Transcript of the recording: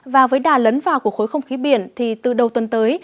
và với đà lấn vào của khối không khí biển thì từ đầu tuần tới